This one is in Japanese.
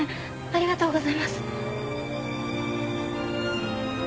ありがとうございます。